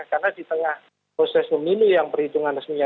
karena di tengah proses pemilu yang perhitungan resmi ya